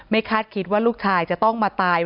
คาดคิดว่าลูกชายจะต้องมาตาย